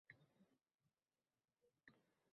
So’ylang, otajon!